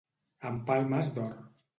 Amb palmes d'or.